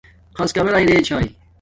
خَص کبݺ رِݵ چھݳئݺ؟